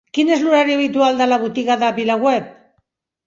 Quin és l'horari habitual de la botiga de VilaWeb?